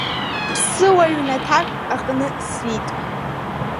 Ԥсыуа ҩнаҭак аҟны сиит.